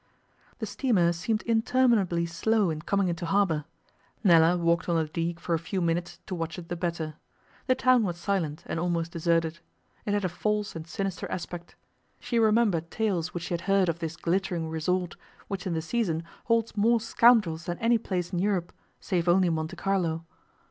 The steamer seemed interminably slow in coming into harbour. Nella walked on the Digue for a few minutes to watch it the better. The town was silent and almost deserted. It had a false and sinister aspect. She remembered tales which she had heard of this glittering resort, which in the season holds more scoundrels than any place in Europe, save only Monte Carlo.